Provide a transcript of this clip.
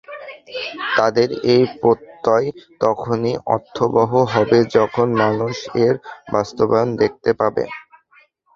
তাঁদের এই প্রত্যয় তখনই অর্থবহ হবে যখন মানুষ এর বাস্তবায়ন দেখতে পাবে।